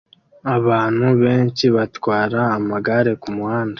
Abantu benshi batwara amagare kumuhanda